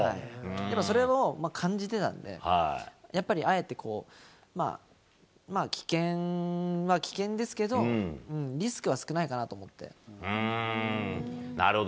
やっぱりそれも感じてたんで、やっぱり、あえてこう、危険は危険ですけど、リスクは少ないかななるほど。